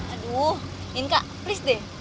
aduh inka please deh